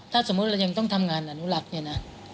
ถ้าสมมุติเรายังต้องทำงานอนุรักษ์เนี่ยนะ